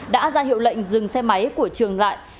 đã ra hiệu lệnh dừng xe máy của trường đại